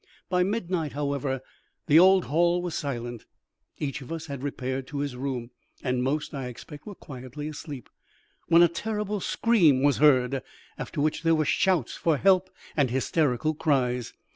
By midnight, however, the old hall was silent; each of us had repaired to his room, and most, I expect, were quietly asleep, when a terrible scream was heard, after which there were shouts for help and hysterical cries.